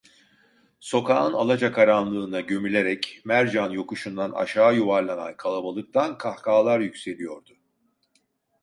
Sokağın alacakaranlığına gömülerek Mercan yokuşundan aşağı yuvarlanan kalabalıktan kahkahalar yükseliyordu.